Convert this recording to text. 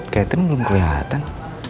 kayaknya belum kelihatan